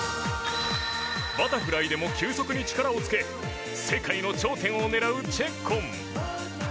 バタフライでも急速に力をつけ世界の頂点を狙うチェッコン。